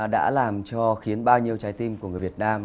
đã làm cho khiến bao nhiêu trái tim của người việt nam